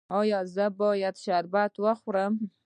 ایا زه باید شربت وخورم؟